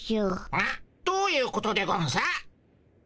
えっ？どういうことでゴンス？